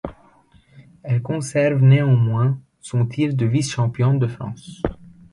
Elle conserve néanmoins son titre de vice-championne de France.